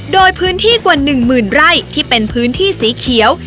โดยพื้นที่กว่า๑๐๐๐ไร่ที่เป็นพื้นที่สีเขียว